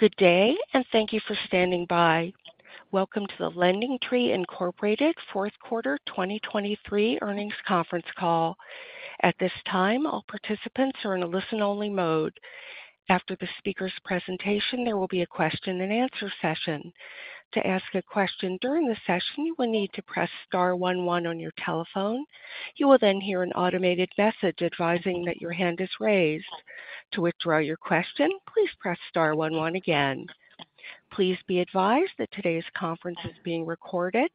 Good day, and thank you for standing by. Welcome to the LendingTree Incorporated fourth quarter 2023 earnings conference call. At this time, all participants are in a listen-only mode. After the speaker's presentation, there will be a question-and-answer session. To ask a question during the session, you will need to press star one one on your telephone. You will then hear an automated message advising that your hand is raised. To withdraw your question, please press star one one again. Please be advised that today's conference is being recorded.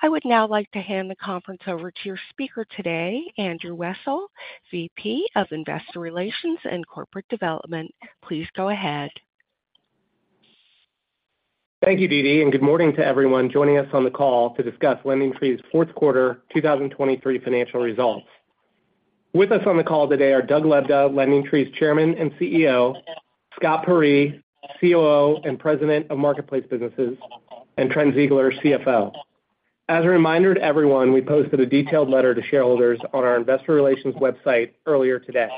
I would now like to hand the conference over to your speaker today, Andrew Wessel, VP of Investor Relations and Corporate Development. Please go ahead. Thank you, Didi, and good morning to everyone joining us on the call to discuss LendingTree's fourth quarter 2023 financial results. With us on the call today are Doug Lebda, LendingTree's Chairman and CEO; Scott Peyree, COO and President of Marketplace Businesses; and Trent Ziegler, CFO. As a reminder to everyone, we posted a detailed letter to shareholders on our investor relations website earlier today.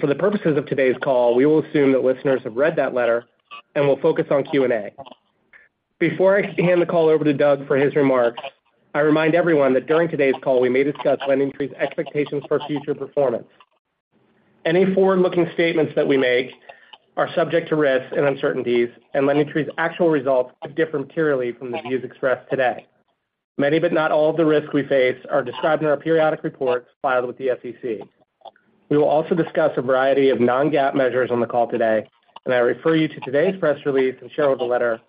For the purposes of today's call, we will assume that listeners have read that letter and will focus on Q&A. Before I hand the call over to Doug for his remarks, I remind everyone that during today's call we may discuss LendingTree's expectations for future performance. Any forward-looking statements that we make are subject to risks and uncertainties, and LendingTree's actual results could differ materially from the views expressed today. Many but not all of the risks we face are described in our periodic reports filed with the SEC. We will also discuss a variety of non-GAAP measures on the call today, and I refer you to today's press release and shareholder letter,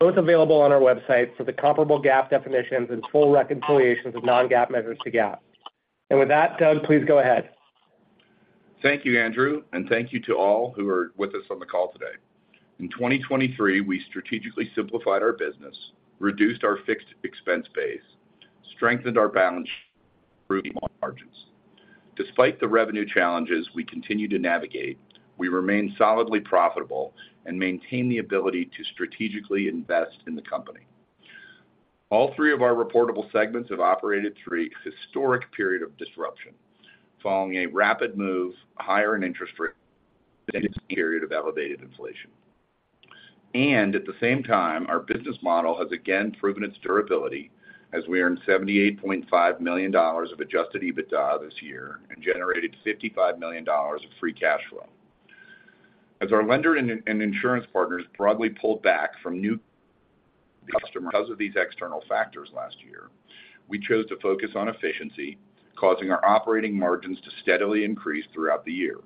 both available on our website for the comparable GAAP definitions and full reconciliations of non-GAAP measures to GAAP. With that, Doug, please go ahead. Thank you, Andrew, and thank you to all who are with us on the call today. In 2023, we strategically simplified our business, reduced our fixed expense base, strengthened our balance sheet, and improved margins. Despite the revenue challenges we continue to navigate, we remain solidly profitable and maintain the ability to strategically invest in the company. All three of our reportable segments have operated through a historic period of disruption following a rapid move higher in interest rates and a period of elevated inflation. At the same time, our business model has again proven its durability as we earned $78.5 million of Adjusted EBITDA this year and generated $55 million of free cash flow. As our lender and insurance partners broadly pulled back from new customer acquisitions because of these external factors last year, we chose to focus on efficiency, causing our operating margins to steadily increase throughout the year.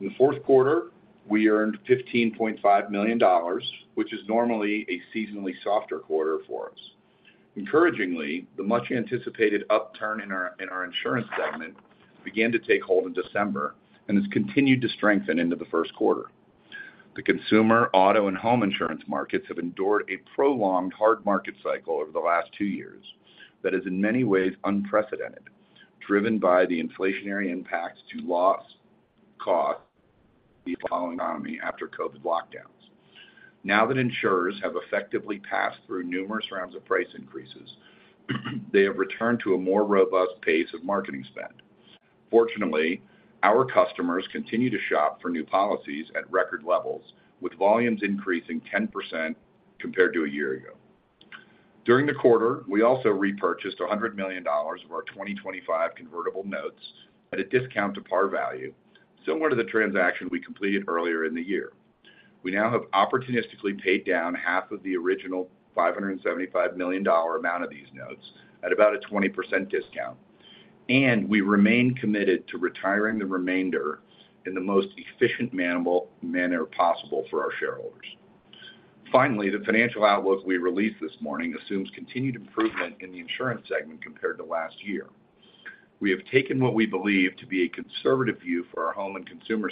In the fourth quarter, we earned $15.5 million, which is normally a seasonally softer quarter for us. Encouragingly, the much-anticipated upturn in our insurance segment began to take hold in December and has continued to strengthen into the first quarter. The consumer, auto, and home insurance markets have endured a prolonged hard market cycle over the last two years that is in many ways unprecedented, driven by the inflationary impacts to loss cost, and the following economy after COVID lockdowns. Now that insurers have effectively passed through numerous rounds of price increases, they have returned to a more robust pace of marketing spend. Fortunately, our customers continue to shop for new policies at record levels, with volumes increasing 10% compared to a year ago. During the quarter, we also repurchased $100 million of our 2025 convertible notes at a discount to par value, similar to the transaction we completed earlier in the year. We now have opportunistically paid down $287.5 million of the original $575 million amount of these notes at about a 20% discount, and we remain committed to retiring the remainder in the most efficient manner possible for our shareholders. Finally, the financial outlook we released this morning assumes continued improvement in the insurance segment compared to last year. We have taken what we believe to be a conservative view for our home and consumer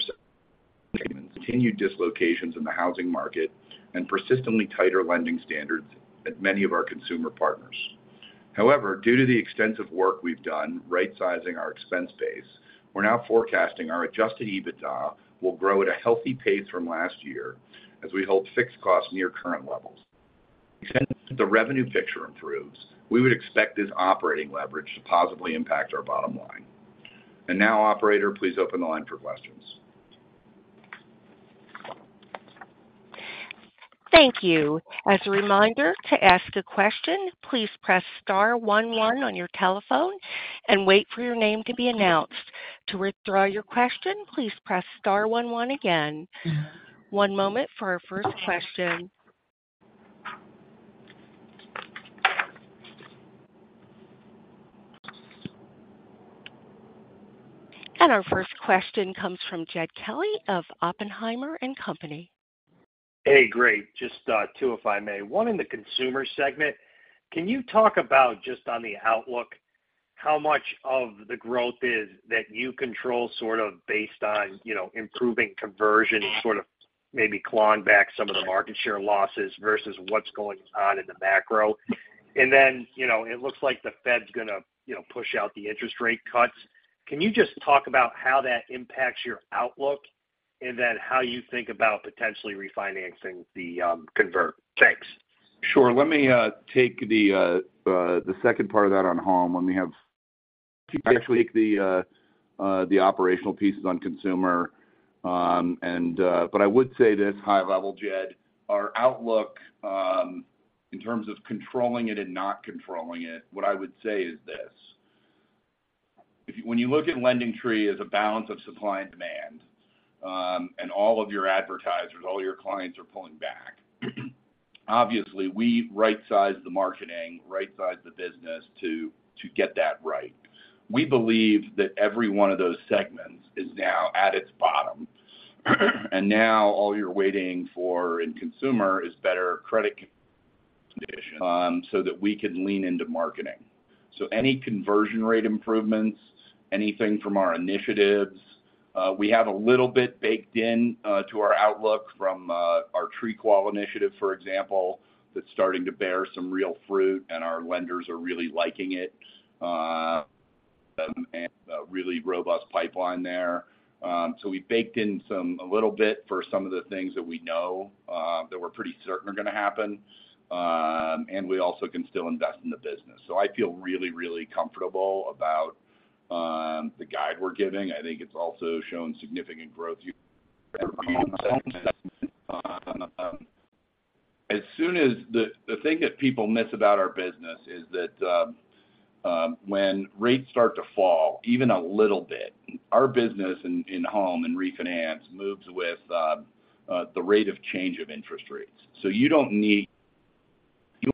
segments, continued dislocations in the housing market, and persistently tighter lending standards at many of our consumer partners. However, due to the extensive work we've done right-sizing our expense base, we're now forecasting our Adjusted EBITDA will grow at a healthy pace from last year as we hold fixed costs near current levels. The revenue picture improves. We would expect this operating leverage to positively impact our bottom line. And now, operator, please open the line for questions. Thank you. As a reminder, to ask a question, please press star one one on your telephone and wait for your name to be announced. To withdraw your question, please press star one one again. One moment for our first question. Our first question comes from Jed Kelly of Oppenheimer & Company. Hey, great. Just two, if I may. One in the consumer segment. Can you talk about, just on the outlook, how much of the growth is that you control sort of based on improving conversion and sort of maybe clawing back some of the market share losses versus what's going on in the macro? And then it looks like the Fed's going to push out the interest rate cuts. Can you just talk about how that impacts your outlook and then how you think about potentially refinancing the convert? Thanks. Sure. Let me take the second part of that on home. Let me actually take the operational pieces on consumer. But I would say this, high-level, Jed. Our outlook, in terms of controlling it and not controlling it, what I would say is this: when you look at LendingTree as a balance of supply and demand and all of your advertisers, all your clients are pulling back, obviously, we right-size the marketing, right-size the business to get that right. We believe that every one of those segments is now at its bottom. And now all you're waiting for in consumer is better credit conditions so that we can lean into marketing. So any conversion rate improvements, anything from our initiatives, we have a little bit baked in to our outlook from our TreeQual initiative, for example, that's starting to bear some real fruit, and our lenders are really liking it and a really robust pipeline there. So we baked in a little bit for some of the things that we know that we're pretty certain are going to happen, and we also can still invest in the business. So I feel really, really comfortable about the guide we're giving. I think it's also shown significant growth. As soon as the thing that people miss about our business is that when rates start to fall, even a little bit, our business in home and refinance moves with the rate of change of interest rates. You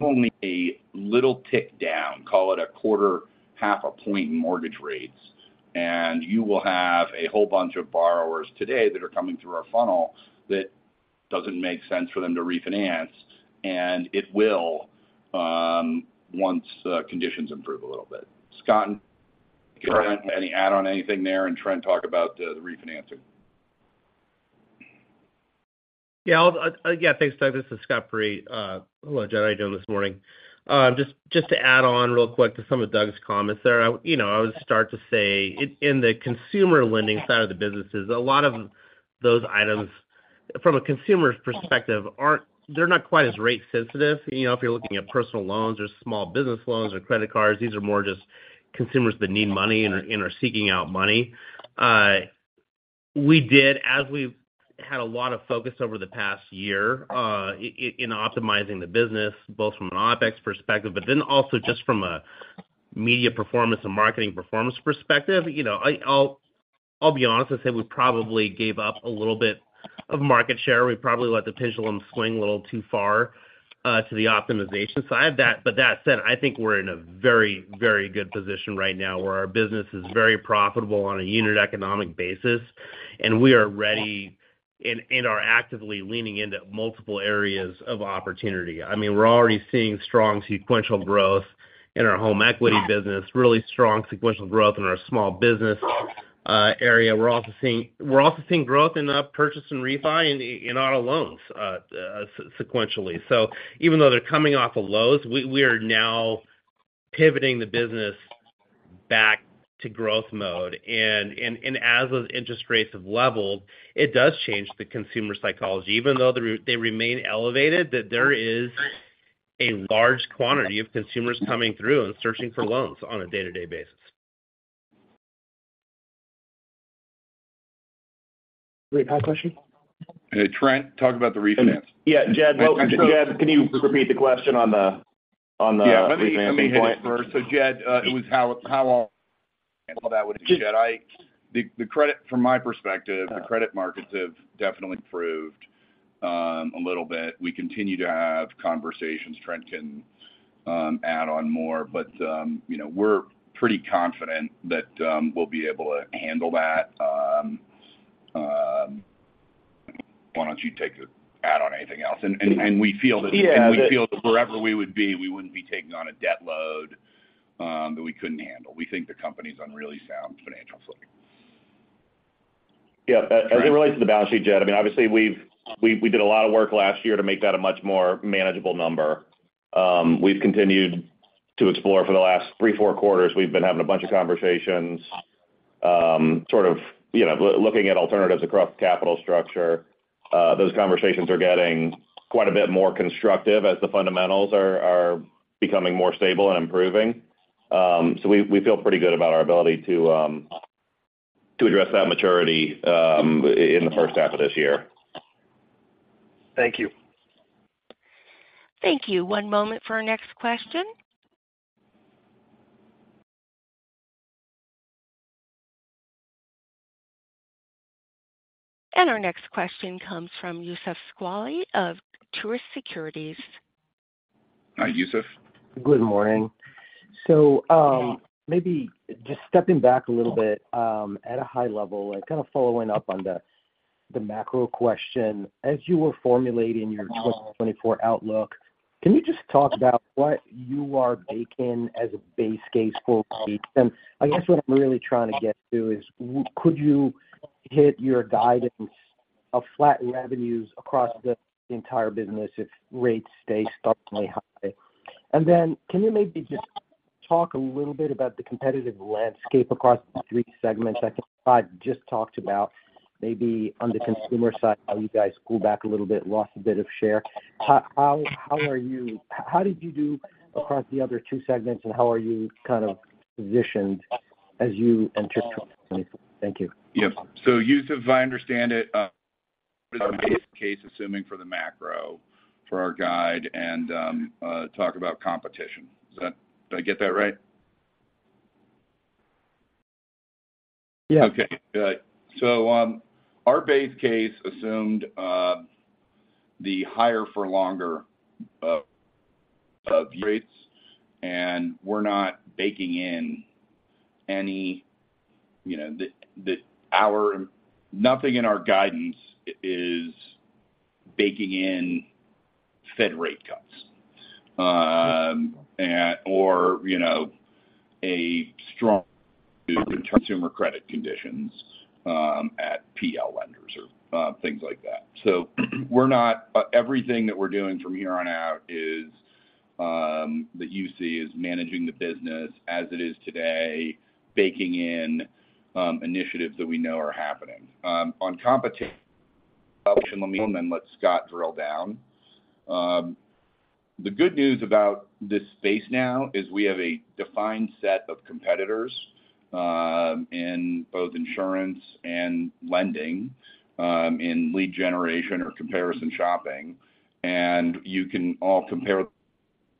only need a little tick down, call it 0.25, 0.5 point in mortgage rates, and you will have a whole bunch of borrowers today that are coming through our funnel that doesn't make sense for them to refinance, and it will once conditions improve a little bit. Scott, any add-on anything there, and Trent, talk about the refinancing. Yeah. Yeah, thanks, Doug. This is Scott Peyree. Hello, Jed. How are you doing this morning? Just to add on real quick to some of Doug's comments there, I would start to say in the consumer lending side of the businesses, a lot of those items, from a consumer's perspective, they're not quite as rate-sensitive. If you're looking at personal loans or small business loans or credit cards, these are more just consumers that need money and are seeking out money. As we've had a lot of focus over the past year in optimizing the business, both from an OpEx perspective, but then also just from a media performance and marketing performance perspective, I'll be honest and say we probably gave up a little bit of market share. We probably let the pendulum swing a little too far to the optimization side. But that said, I think we're in a very, very good position right now where our business is very profitable on a unit economic basis, and we are ready and are actively leaning into multiple areas of opportunity. I mean, we're already seeing strong sequential growth in our home equity business, really strong sequential growth in our small business area. We're also seeing growth in purchase and refi and auto loans sequentially. So even though they're coming off the lows, we are now pivoting the business back to growth mode. And as those interest rates have leveled, it does change the consumer psychology. Even though they remain elevated, there is a large quantity of consumers coming through and searching for loans on a day-to-day basis. Reply question. Hey, Trent, talk about the refinance. Yeah, Jed. Well, Jed, can you repeat the question on the refinancing point? Yeah. Let me answer first. So, Jed, it was how all that would be. Jed, from my perspective, the credit markets have definitely improved a little bit. We continue to have conversations. Trent can add on more. But we're pretty confident that we'll be able to handle that. Why don't you add on anything else? We feel that wherever we would be, we wouldn't be taking on a debt load that we couldn't handle. We think the company's on really sound financial footing. Yeah. As it relates to the balance sheet, Jed, I mean, obviously, we did a lot of work last year to make that a much more manageable number. We've continued to explore for the last three, four quarters. We've been having a bunch of conversations, sort of looking at alternatives across the capital structure. Those conversations are getting quite a bit more constructive as the fundamentals are becoming more stable and improving. So we feel pretty good about our ability to address that maturity in the first half of this year. Thank you. Thank you. One moment for our next question. Our next question comes from Youssef Squali of Truist Securities. Hi, Youssef. Good morning. So maybe just stepping back a little bit at a high level, kind of following up on the macro question, as you were formulating your 2024 outlook, can you just talk about what you are baking as a base case for rates? And I guess what I'm really trying to get to is, could you hit your guidance of flat revenues across the entire business if rates stay startlingly high? And then can you maybe just talk a little bit about the competitive landscape across the three segments? I think Scott just talked about maybe on the consumer side, how you guys cooled back a little bit, lost a bit of share. How did you do across the other two segments, and how are you kind of positioned as you enter 2024? Thank you. Yep. So, Youssef, if I understand it, what is our base case, assuming for the macro for our guide, and talk about competition? Did I get that right? Yeah. Okay. So our base case assumed the higher-for-longer rates, and we're not baking in anything. Nothing in our guidance is baking in Fed rate cuts or a strong return to consumer credit conditions at PL lenders or things like that. So everything that we're doing from here on out that you see is managing the business as it is today, baking in initiatives that we know are happening. On competition, let me, and then let Scott drill down. The good news about this space now is we have a defined set of competitors in both insurance and lending in lead generation or comparison shopping, and you can all compare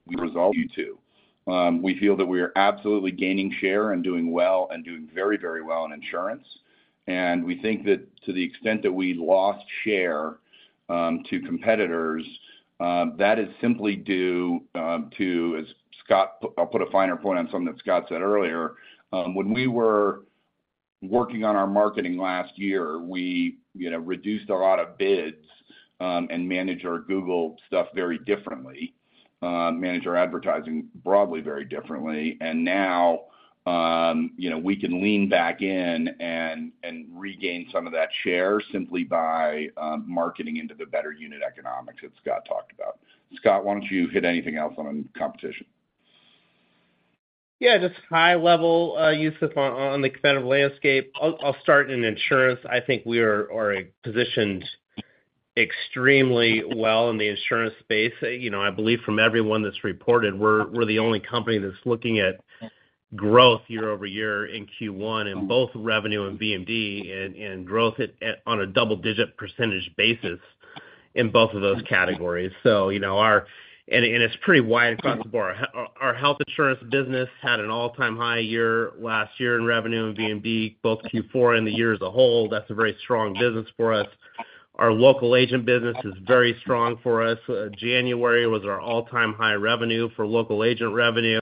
the results, too. We feel that we are absolutely gaining share and doing well and doing very, very well in insurance. And we think that to the extent that we lost share to competitors, that is simply due to, as Scott, I'll put a finer point on something that Scott said earlier. When we were working on our marketing last year, we reduced a lot of bids and managed our Google stuff very differently, managed our advertising broadly very differently. And now we can lean back in and regain some of that share simply by marketing into the better unit economics that Scott talked about. Scott, why don't you hit anything else on competition? Yeah. Just high-level, Youssef, on the competitive landscape. I'll start in insurance. I think we are positioned extremely well in the insurance space. I believe from everyone that's reported, we're the only company that's looking at growth year-over-year in Q1 in both revenue and VMM and growth on a double-digit percentage basis in both of those categories. It's pretty wide across the board. Our health insurance business had an all-time high year last year in revenue and VMM, both Q4 and the year as a whole. That's a very strong business for us. Our local agent business is very strong for us. January was our all-time high revenue for local agent revenue,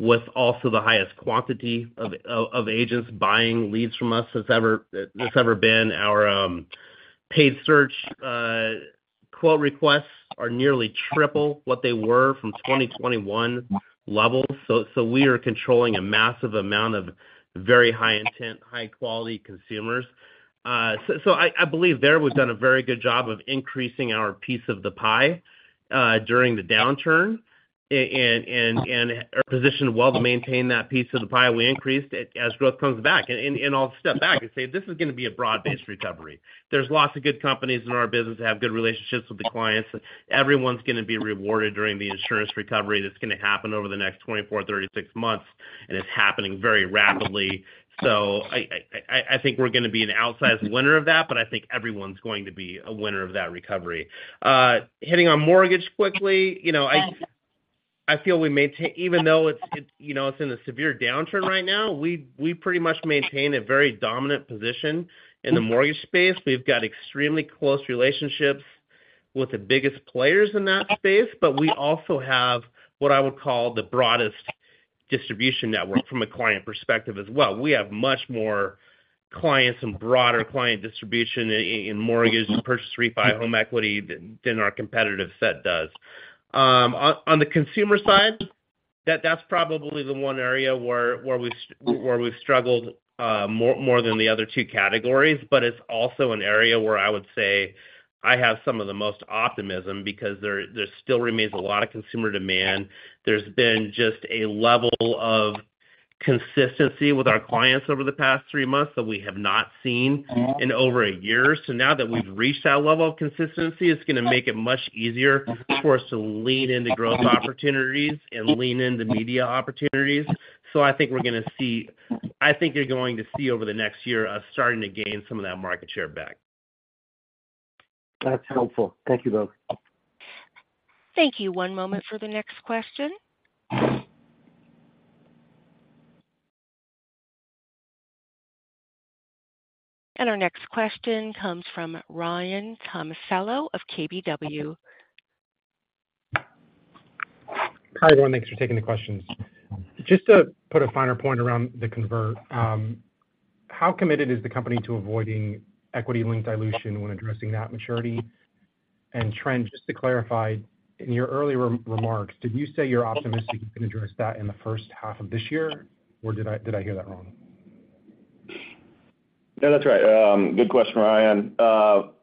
with also the highest quantity of agents buying leads from us that's ever been. Our paid search quote requests are nearly triple what they were from 2021 levels. So we are controlling a massive amount of very high-intent, high-quality consumers. So I believe there we've done a very good job of increasing our piece of the pie during the downturn and our position well to maintain that piece of the pie we increased as growth comes back and all step back and say, "This is going to be a broad-based recovery." There's lots of good companies in our business that have good relationships with the clients. Everyone's going to be rewarded during the insurance recovery that's going to happen over the next 24 to 36 months, and it's happening very rapidly. So I think we're going to be an outsized winner of that, but I think everyone's going to be a winner of that recovery. Hitting on mortgage quickly, I feel we maintain even though it's in a severe downturn right now, we pretty much maintain a very dominant position in the mortgage space. We've got extremely close relationships with the biggest players in that space, but we also have what I would call the broadest distribution network from a client perspective as well. We have much more clients and broader client distribution in mortgage, purchase refi, home equity than our competitive set does. On the consumer side, that's probably the one area where we've struggled more than the other two categories, but it's also an area where I would say I have some of the most optimism because there still remains a lot of consumer demand. There's been just a level of consistency with our clients over the past three months that we have not seen in over a year. So now that we've reached that level of consistency, it's going to make it much easier for us to lean into growth opportunities and lean into media opportunities. So I think we're going to see, I think you're going to see, over the next year us starting to gain some of that market share back. That's helpful. Thank you, Doug. Thank you. One moment for the next question. Our next question comes from Ryan Tomasello of KBW. Hi, everyone. Thanks for taking the questions. Just to put a finer point around the convert, how committed is the company to avoiding equity-linked dilution when addressing that maturity? And Trent, just to clarify, in your earlier remarks, did you say you're optimistic you can address that in the first half of this year, or did I hear that wrong? Yeah, that's right. Good question, Ryan.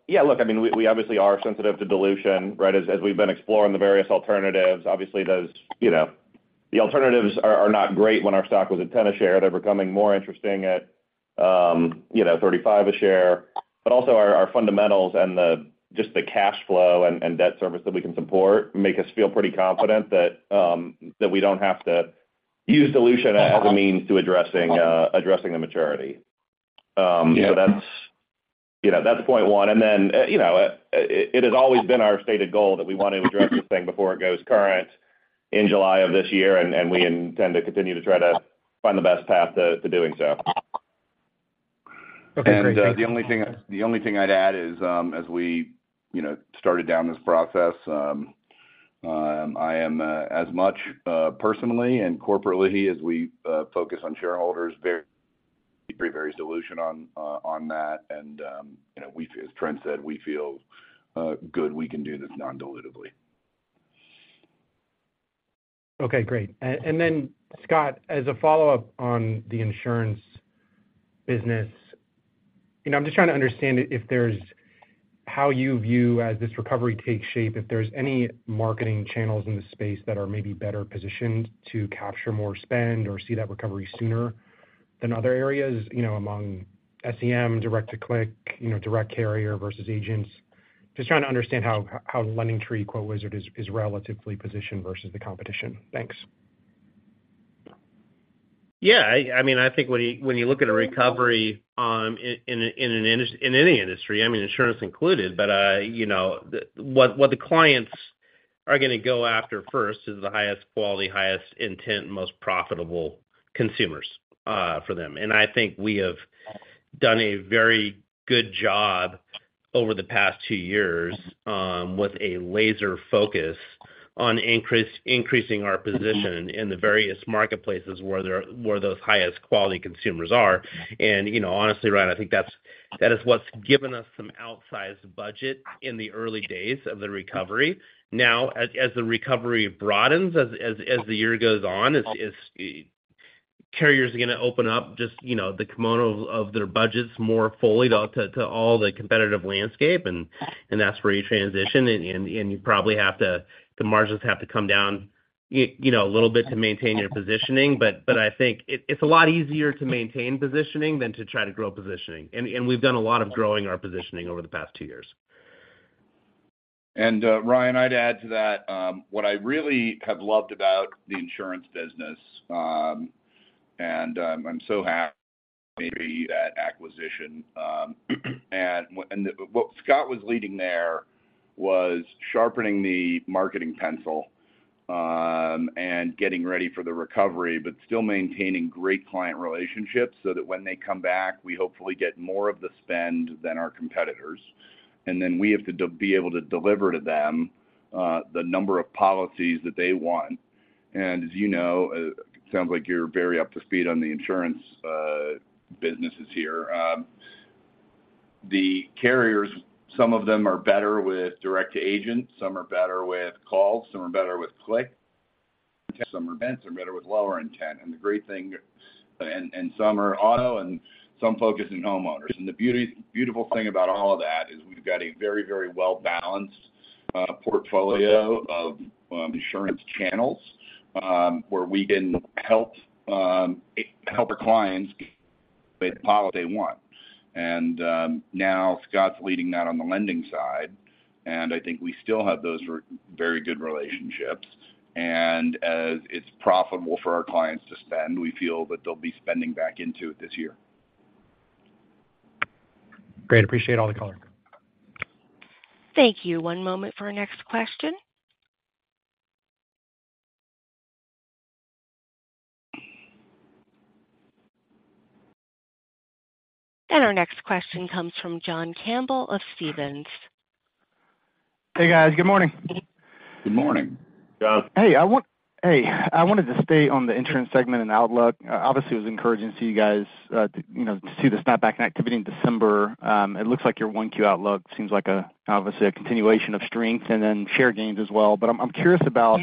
Yeah, look, I mean, we obviously are sensitive to dilution, right, as we've been exploring the various alternatives. Obviously, the alternatives are not great when our stock was at $10 a share. They're becoming more interesting at $35 a share. But also, our fundamentals and just the cash flow and debt service that we can support make us feel pretty confident that we don't have to use dilution as a means to addressing the maturity. So that's point one. And then it has always been our stated goal that we want to address this thing before it goes current in July of this year, and we intend to continue to try to find the best path to doing so. Okay. Great. And the only thing I'd add is, as we started down this process, I am as much personally and corporately as we focus on shareholders, very leery of dilution on that. And as Trent said, we feel good we can do this non-dilutively. Okay. Great. And then, Scott, as a follow-up on the insurance business, I'm just trying to understand how you view, as this recovery takes shape, if there's any marketing channels in the space that are maybe better positioned to capture more spend or see that recovery sooner than other areas among SEM, direct-to-click, direct carrier versus agents. Just trying to understand how LendingTree QuoteWizard is relatively positioned versus the competition. Thanks. Yeah. I mean, I think when you look at a recovery in any industry, I mean, insurance included, but what the clients are going to go after first is the highest quality, highest intent, most profitable consumers for them. And I think we have done a very good job over the past two years with a laser focus on increasing our position in the various marketplaces where those highest quality consumers are. And honestly, Ryan, I think that is what's given us some outsized budget in the early days of the recovery. Now, as the recovery broadens as the year goes on, carriers are going to open up just the kimono of their budgets more fully to all the competitive landscape. And that's where you transition. And you probably have to, the margins have to come down a little bit to maintain your positioning. But I think it's a lot easier to maintain positioning than to try to grow positioning. And we've done a lot of growing our positioning over the past two years. And Ryan, I'd add to that what I really have loved about the insurance business, and I'm so happy to be at acquisition. And what Scott was leading there was sharpening the marketing pencil and getting ready for the recovery, but still maintaining great client relationships so that when they come back, we hopefully get more of the spend than our competitors. And then we have to be able to deliver to them the number of policies that they want. And as you know, it sounds like you're very up to speed on the insurance businesses here. Some of them are better with direct-to-agent. Some are better with calls. Some are better with click. Some are better with lower intent. And the great thing and some are auto and some focus on homeowners. The beautiful thing about all of that is we've got a very, very well-balanced portfolio of insurance channels where we can help our clients get the policy they want. And now Scott's leading that on the lending side. And I think we still have those very good relationships. And as it's profitable for our clients to spend, we feel that they'll be spending back into it this year. Great. Appreciate all the color. Thank you. One moment for our next question. Our next question comes from John Campbell of Stephens. Hey, guys. Good morning. Good morning. John. Hey. I wanted to stay on the insurance segment and outlook. Obviously, it was encouraging to see you guys to see the snapback and activity in December. It looks like your Q1 outlook seems like, obviously, a continuation of strength and then share gains as well. But I'm curious about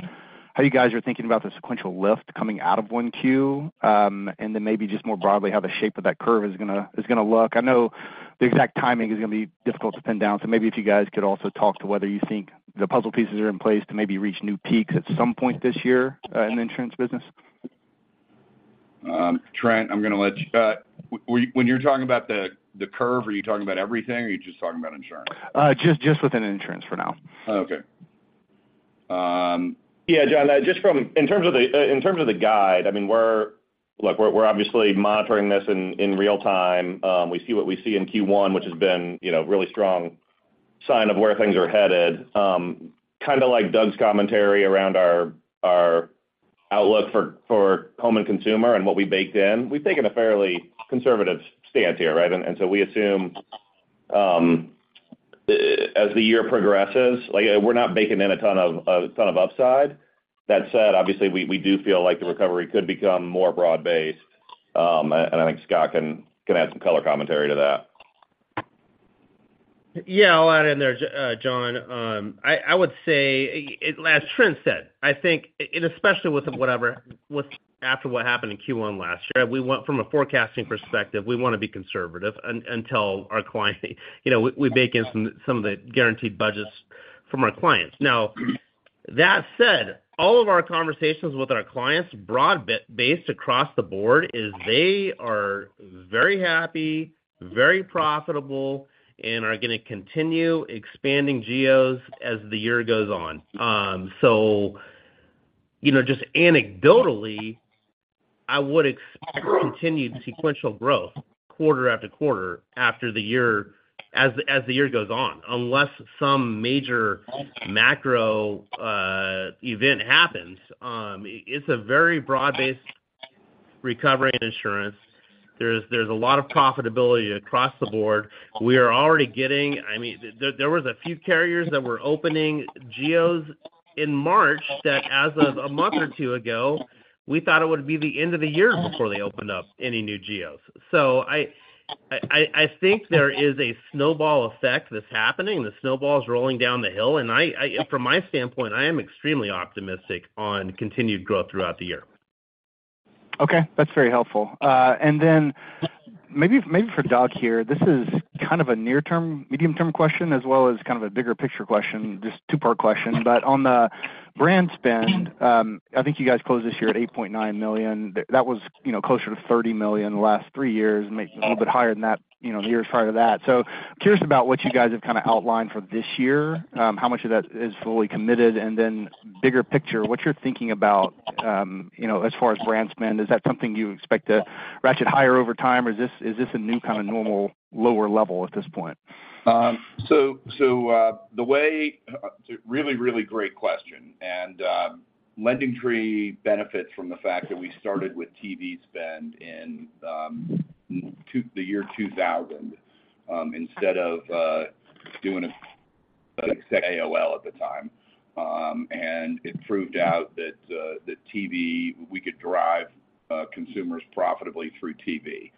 how you guys are thinking about the sequential lift coming out of Q1 and then maybe just more broadly how the shape of that curve is going to look. I know the exact timing is going to be difficult to pin down. So maybe if you guys could also talk to whether you think the puzzle pieces are in place to maybe reach new peaks at some point this year in the insurance business. Trent, I'm going to let you, when you're talking about the curve, are you talking about everything, or are you just talking about insurance? Just within insurance for now. Okay. Yeah, John, just in terms of the guide, I mean, look, we're obviously monitoring this in real time. We see what we see in Q1, which has been a really strong sign of where things are headed. Kind of like Doug's commentary around our outlook for home and consumer and what we baked in, we've taken a fairly conservative stance here, right? And so we assume as the year progresses, we're not baking in a ton of upside. That said, obviously, we do feel like the recovery could become more broad-based. And I think Scott can add some color commentary to that. Yeah. I'll add in there, John. I would say, as Trent said, I think, and especially with whatever after what happened in Q1 last year, from a forecasting perspective, we want to be conservative until our client we bake in some of the guaranteed budgets from our clients. Now, that said, all of our conversations with our clients, broad-based across the board, is they are very happy, very profitable, and are going to continue expanding geos as the year goes on. So just anecdotally, I would expect continued sequential growth quarter after quarter as the year goes on, unless some major macro event happens. It's a very broad-based recovery in insurance. There's a lot of profitability across the board. We are already getting, I mean, there were a few carriers that were opening geos in March that, as of a month or two ago, we thought it would be the end of the year before they opened up any new geos. So I think there is a snowball effect that's happening. The snowball is rolling down the hill. And from my standpoint, I am extremely optimistic on continued growth throughout the year. Okay. That's very helpful. And then maybe for Doug here, this is kind of a near-term, medium-term question as well as kind of a bigger picture question, just two-part question. But on the brand spend, I think you guys closed this year at $8.9 million. That was closer to $30 million the last three years, a little bit higher than that in the years prior to that. So curious about what you guys have kind of outlined for this year, how much of that is fully committed, and then bigger picture, what you're thinking about as far as brand spend. Is that something you expect to ratchet higher over time, or is this a new kind of normal lower level at this point? So the way it's a really, really great question. And LendingTree benefits from the fact that we started with TV spend in the year 2000 instead of doing an exact AOL at the time. And it proved out that TV, we could drive consumers profitably through TV.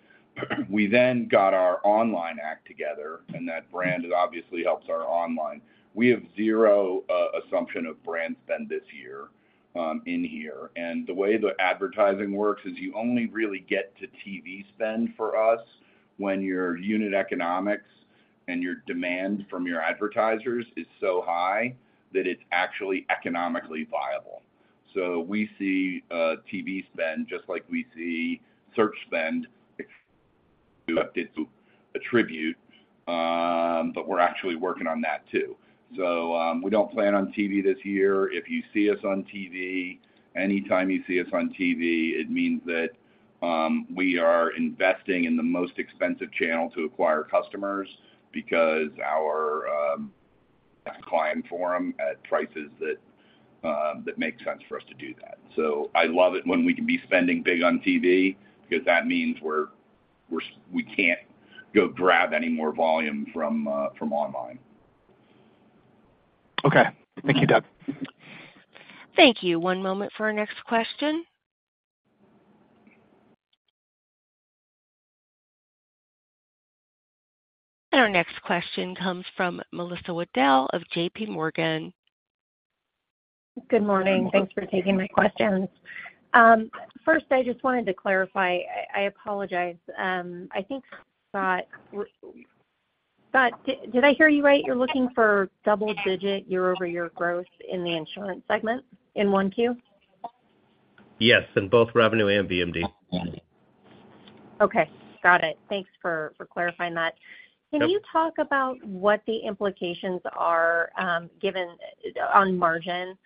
We then got our online act together, and that brand has obviously helped our online. We have zero assumption of brand spend this year in here. And the way the advertising works is you only really get to TV spend for us when your unit economics and your demand from your advertisers is so high that it's actually economically viable. So we see TV spend just like we see search spend attribute, but we're actually working on that too. So we don't plan on TV this year. If you see us on TV, anytime you see us on TV, it means that we are investing in the most expensive channel to acquire customers because our client forum at prices that make sense for us to do that. So I love it when we can be spending big on TV because that means we can't go grab any more volume from online. Okay. Thank you, Doug. Thank you. One moment for our next question. Our next question comes from Melissa Wedel of J.P. Morgan. Good morning. Thanks for taking my questions. First, I just wanted to clarify. I apologize. I think, Scott, did I hear you right? You're looking for double-digit year-over-year growth in the insurance segment in Q1? Yes, in both revenue and VMM. Okay. Got it. Thanks for clarifying that. Can you talk about what the implications are given on margin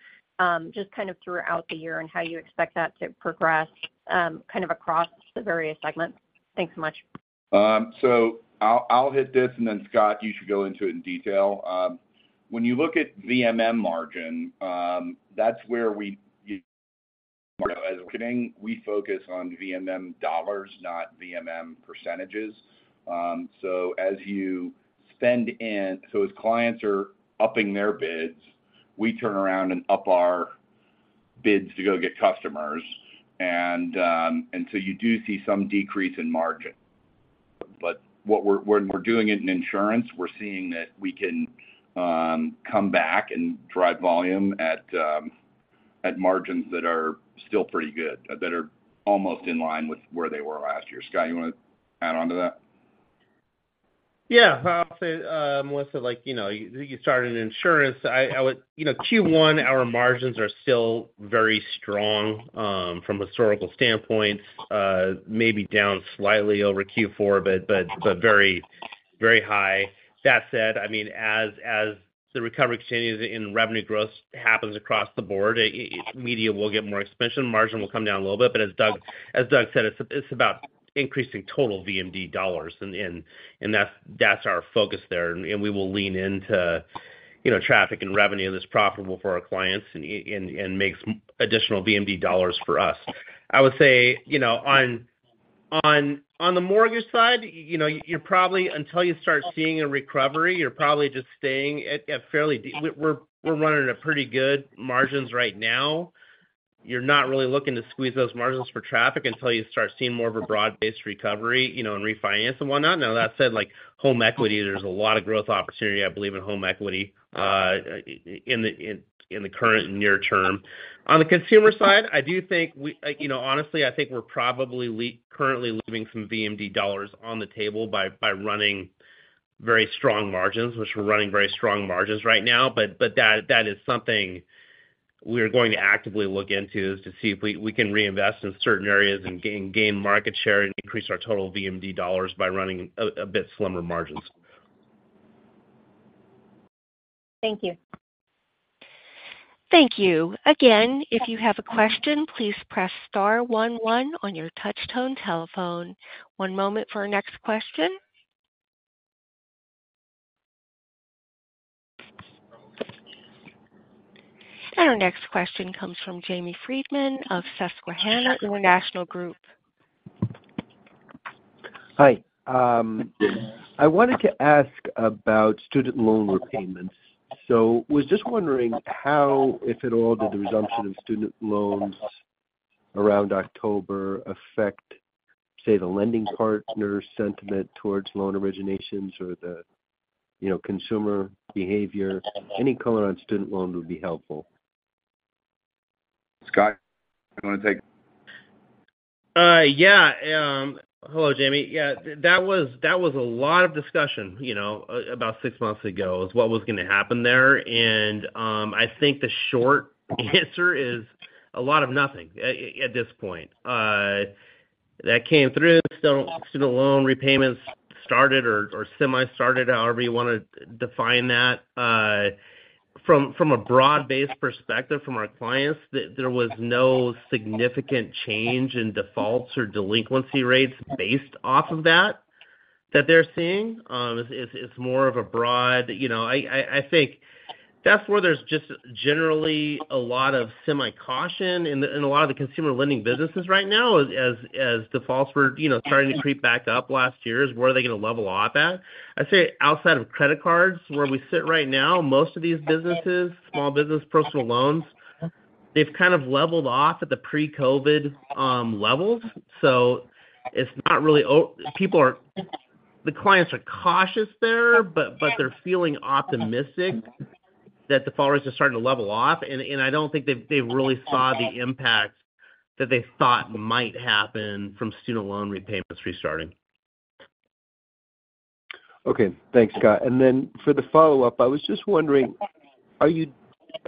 just kind of throughout the year and how you expect that to progress kind of across the various segments? Thanks so much. So I'll hit this, and then, Scott, you should go into it in detail. When you look at VMM margin, that's where we as marketing, we focus on VMM dollars, not VMM percentages. So as you spend, as clients are upping their bids, we turn around and up our bids to go get customers. And so you do see some decrease in margin. But when we're doing it in insurance, we're seeing that we can come back and drive volume at margins that are still pretty good, that are almost in line with where they were last year. Scott, you want to add on to that? Yeah. I'll say, Melissa, you started in insurance. Q1, our margins are still very strong from historical standpoints, maybe down slightly over Q4, but very high. That said, I mean, as the recovery continues and revenue growth happens across the board, media will get more expansion. Margin will come down a little bit. But as Doug said, it's about increasing total VMM dollars, and that's our focus there. And we will lean into traffic and revenue that's profitable for our clients and makes additional VMM dollars for us. I would say on the mortgage side, until you start seeing a recovery, you're probably just staying at fairly, we're running at pretty good margins right now. You're not really looking to squeeze those margins for traffic until you start seeing more of a broad-based recovery and refinance and whatnot. Now, that said, home equity, there's a lot of growth opportunity, I believe, in home equity in the current and near term. On the consumer side, I do think honestly, I think we're probably currently leaving some VMM dollars on the table by running very strong margins, which we're running very strong margins right now. But that is something we are going to actively look into is to see if we can reinvest in certain areas and gain market share and increase our total VMM dollars by running a bit slimmer margins. Thank you. Thank you. Again, if you have a question, please press star one one on your touch-tone telephone. One moment for our next question. Our next question comes from Jamie Friedman of Susquehanna International Group. Hi. I wanted to ask about student loan repayments. So I was just wondering how, if at all, did the resumption of student loans around October affect, say, the lending partner's sentiment towards loan originations or the consumer behavior? Any color on student loan would be helpful. Scott, you want to take? Yeah. Hello, Jamie. Yeah. That was a lot of discussion about six months ago is what was going to happen there. And I think the short answer is a lot of nothing at this point. That came through. Student loan repayments started or semi-started, however you want to define that. From a broad-based perspective, from our clients, there was no significant change in defaults or delinquency rates based off of that that they're seeing. It's more of a broad I think that's where there's just generally a lot of semi-caution in a lot of the consumer lending businesses right now. As defaults were starting to creep back up last year, is where are they going to level off at? I'd say outside of credit cards, where we sit right now, most of these businesses, small business, personal loans, they've kind of leveled off at the pre-COVID levels. So it's not really the clients are cautious there, but they're feeling optimistic that default rates are starting to level off. And I don't think they've really saw the impact that they thought might happen from student loan repayments restarting. Okay. Thanks, Scott. And then for the follow-up, I was just wondering, are you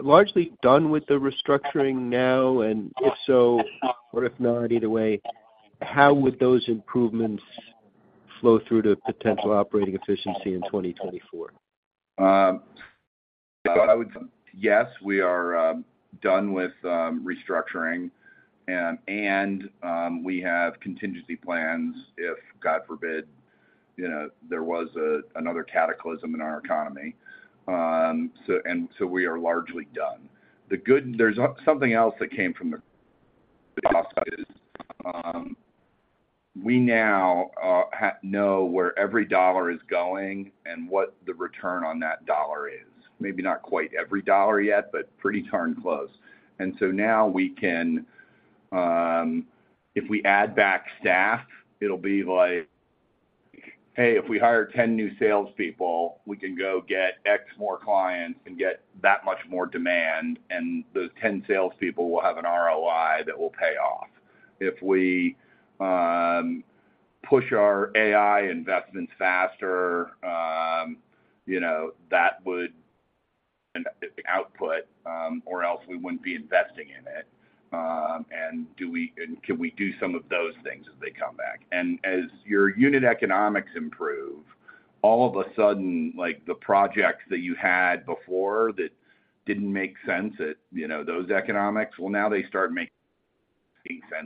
largely done with the restructuring now? And if so, or if not, either way, how would those improvements flow through to potential operating efficiency in 2024? I would say yes, we are done with restructuring, and we have contingency plans if, God forbid, there was another cataclysm in our economy. And so we are largely done. There's something else that came from the offside. We now know where every dollar is going and what the return on that dollar is. Maybe not quite every dollar yet, but pretty darn close. And so now, if we add back staff, it'll be like, "Hey, if we hire 10 new salespeople, we can go get X more clients and get that much more demand, and those 10 salespeople will have an ROI that will pay off. If we push our AI investments faster, that would. Output, or else we wouldn't be investing in it. And can we do some of those things as they come back? As your unit economics improve, all of a sudden, the projects that you had before that didn't make sense at those economics, well, now they start making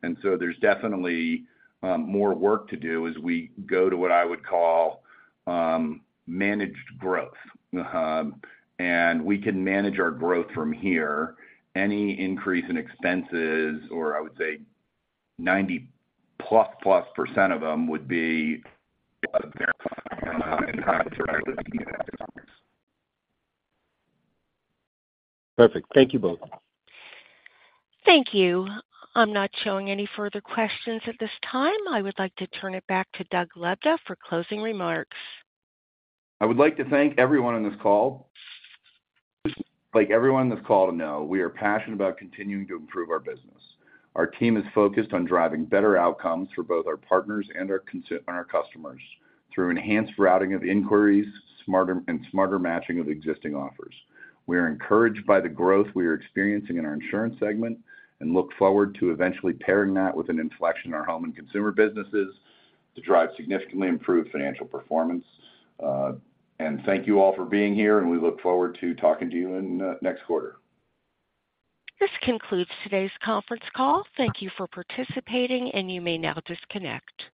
sense. So there's definitely more work to do as we go to what I would call managed growth. And we can manage our growth from here. Any increase in expenses, or I would say 90%+ of them, would be a lot of verifying in time to run with the unit economics. Perfect. Thank you both. Thank you. I'm not showing any further questions at this time. I would like to turn it back to Doug Lebda for closing remarks. I would like to thank everyone on this call. Just like everyone on this call to know, we are passionate about continuing to improve our business. Our team is focused on driving better outcomes for both our partners and our customers through enhanced routing of inquiries and smarter matching of existing offers. We are encouraged by the growth we are experiencing in our insurance segment and look forward to eventually pairing that with an inflection in our home and consumer businesses to drive significantly improved financial performance. Thank you all for being here, and we look forward to talking to you in next quarter. This concludes today's conference call. Thank you for participating, and you may now disconnect.